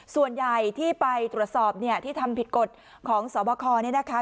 ส่วนใหญ่ที่ไปตรวจสอบเนี่ยที่ทำผิดกฎของสวบคเนี่ยนะคะ